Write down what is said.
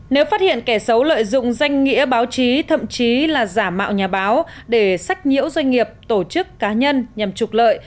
nếu phát hiện kẻ xấu lợi dụng danh nghĩa báo chí thậm chí là giả mạo nhà báo để sách nhiễu doanh nghiệp tổ chức cá nhân nhằm trục lợi